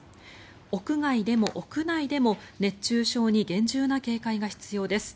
屋外でも屋内でも熱中症に厳重な警戒が必要です。